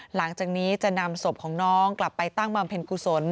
หลังจากนี้จะนำศพของน้องกลับไปตั้งบำเพ็ญกุศล